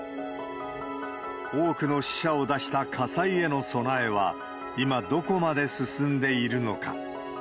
多くの死者を出した火災への備えは、今、どこまで進んでいるのか。